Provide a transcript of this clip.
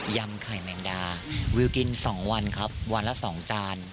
ำไข่แมงดาวิวกิน๒วันครับวันละ๒จาน